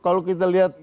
kalau kita lihat